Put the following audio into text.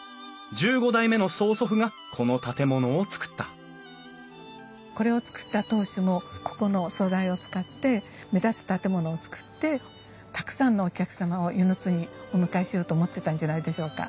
１５代目の曽祖父がこの建物をつくったこれをつくった当主もここの素材を使って目立つ建物をつくってたくさんのお客様を温泉津にお迎えしようと思ってたんじゃないでしょうか。